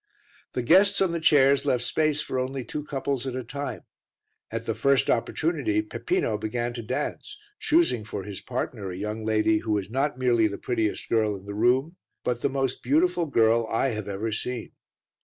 The guests on the chairs left space for only two couples at a time. At the first opportunity Peppino began to dance, choosing for his partner a young lady who was not merely the prettiest girl in the room, but the most beautiful girl I have ever seen.